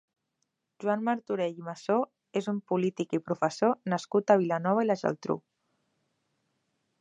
Joan Martorell i Masó és un polític i professor nascut a Vilanova i la Geltrú.